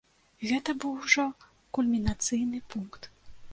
Гэта быў ужо кульмінацыйны пункт.